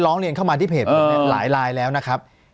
ร้องเรียนเข้ามาที่เพจผมเนี่ยหลายลายแล้วนะครับ